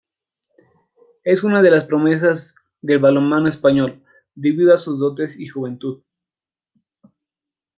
Es una de las promesas del balonmano español, debido a sus dotes y juventud.